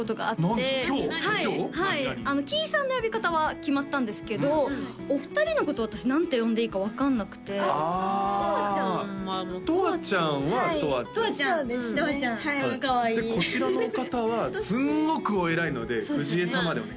はいはいキイさんの呼び方は決まったんですけどお二人のことを私何て呼んでいいか分かんなくてあとわちゃんはとわちゃんはとわちゃんとわちゃんとわちゃんかわいいこちらの方はすんごくお偉いので藤江様でお願いします